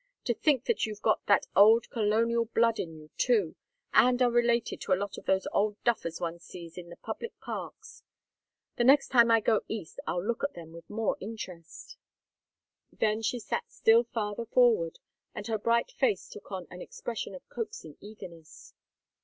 To think that you've got that old colonial blood in you too, and are related to a lot of those old duffers one sees in the public parks. The next time I go East I'll look at them with more interest." Then she sat still farther forward, and her bright face took on an expression of coaxing eagerness.